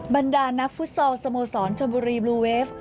บรรดานักฟุตซอลสโมสรชมบุรีบลูเวฟ